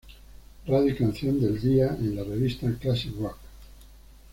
Radio y canción del día en la revista Classic Rock.